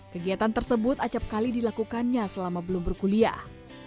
kegiatan tersebut acapkali dilakukannya selama belum berkuliah